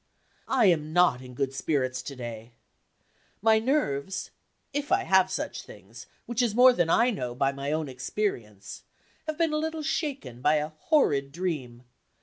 I am not in good spirits to day. My nerves if I have such things, which is more than I know by my own experience have been a little shaken by a horrid dream.